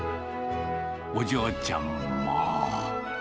お嬢ちゃんも。